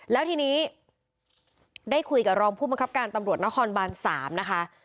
แล้วทีนี้ได้คุยกับรองผู้บังคับการตำรวจนครบาน๓นะคะ